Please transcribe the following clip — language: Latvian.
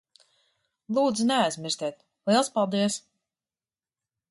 Lūdzu, neaizmirstiet. Liels paldies.